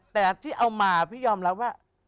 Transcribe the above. แต่ที่เอามาพี่ยอมรับว่า